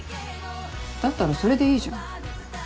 だったらそれでいいじゃん。